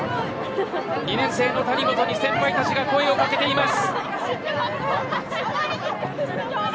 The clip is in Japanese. ２年生の谷本に先輩たちが声を掛けています。